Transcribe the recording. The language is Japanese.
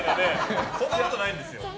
そんなことないんですよ。